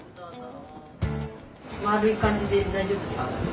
丸い感じで大丈夫ですか？